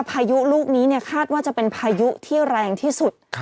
พายุลูกนี้คาดว่าจะเป็นพายุที่แรงที่สุด